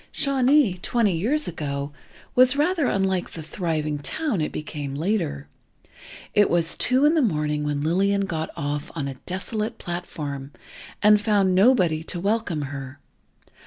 Shawnee, twenty years ago, was rather unlike the thriving town it became later. It was two in the morning when Lillian got off on a desolate platform, and found nobody to welcome her.